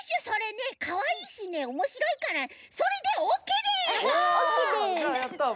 それねかわいいしねおもしろいからそれでオッケーです！